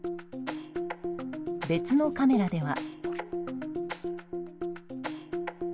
別のカメラでは。